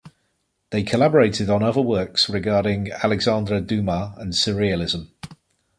They collaborated on other works regarding Alexandre Dumas and surrealism.